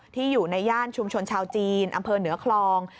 ที่อยู่ในย่านชุมชนชาวจีนอำเภอเหนือคลอง